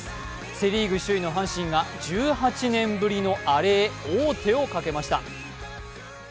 セ・リーグ首位の阪神が１８年ぶりのアレへ王手をかけました。